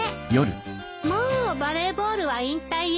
もうバレーボールは引退よ。